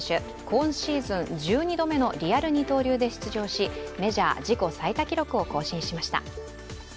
今シーズン１２度目のリアル二刀流で出場し、メジャー自己最多記録を更新しました。